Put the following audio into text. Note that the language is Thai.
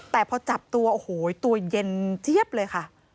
แต่พอจับตัวโอ้โหตัวเย็นเจี๊ยบเลยค่ะ